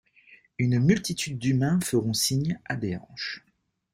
Une multitude d'humains feront signe à des hanches.